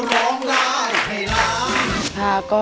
ร้องได้ให้ล้าน